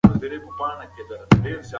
دا سړک د ډېرو غریبو خلکو د کار ځای دی.